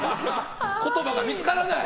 言葉が見つからない。